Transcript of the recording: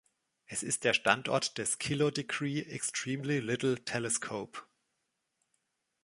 Es ist der Standort des Kilodegree Extremely Little Telescope.